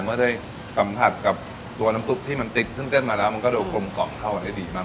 เมื่อได้สัมผัสกับตัวน้ำซุปที่มันติ๊กขึ้นเต้นมาแล้วมันก็ดูกลมกล่อมเข้าได้ดีมาก